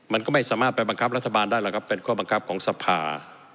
มันก็ไม่สามารถไปบังคับรัฐบาลได้หรอกครับเป็นข้อบังคับของสภา